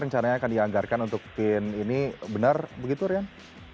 rencananya akan dianggarkan untuk pin ini benar begitu rian